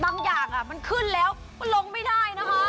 บางอย่างมันขึ้นแล้วก็ลงไม่ได้นะคะ